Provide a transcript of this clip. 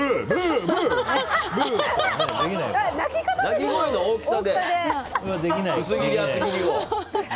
鳴き声の大きさで薄切り、厚切りを。